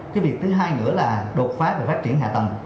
cái việc thứ hai nữa là đột phá về phát triển hạ tầng